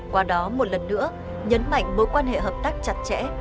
qua đó một lần nữa nhấn mạnh mối quan hệ hợp tác chặt chẽ